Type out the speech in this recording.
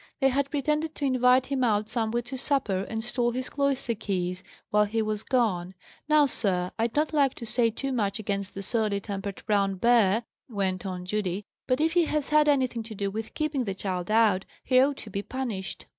They had pretended to invite him out somewhere to supper, and stole his cloister keys while he was gone. Now, sir, I'd not like to say too much against that surly tempered brown bear," went on Judy, "but if he has had anything to do with keeping the child out, he ought to be punished."